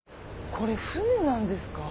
これ船なんですか？